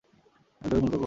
আমি তোকে খুন করব!